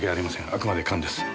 あくまで勘です。